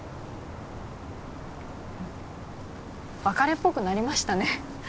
別れっぽくなりましたね